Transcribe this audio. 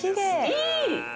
いい！